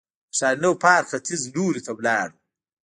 د ښارنو پارک ختیځ لوري ته ولاړو.